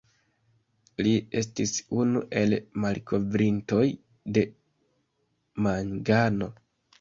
Li estis unu el malkovrintoj de mangano.